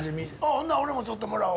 ほんなら俺もちょっともらうわ。